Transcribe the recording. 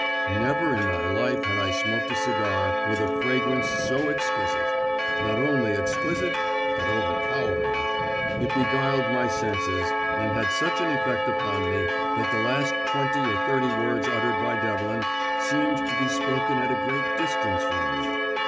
Never in my life had I smoked a cigar with a fragrance so exquisite. Not only exquisite, but overpowering. It beguiled my senses, and had such an effect upon me that the last twenty or thirty words uttered by Devlin seemed to be spoken at a great distance from me.